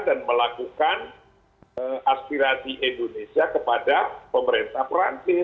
melakukan aspirasi indonesia kepada pemerintah perancis